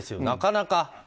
なかなか。